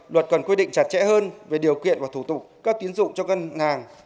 luật cần quy định chặt chẽ hơn về điều kiện và thủ tục cấp tiến dụng cho ngân hàng